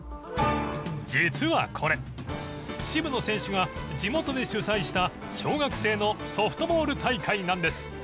実はこれ渋野選手が地元で主催した小学生のソフトボール大会なんです。